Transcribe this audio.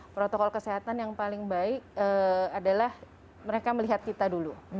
protokol kesehatan yang paling baik adalah mereka melihat kita dulu